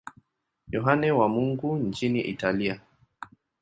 Yohane wa Mungu nchini Italia.